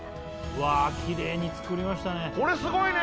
きれいに作りましたね。